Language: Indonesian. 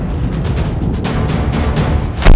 untuk membuatnya terakhir